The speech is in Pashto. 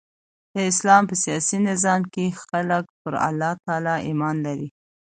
د اسلام په سیاسي نظام کښي خلک پر الله تعالي ایمان لري.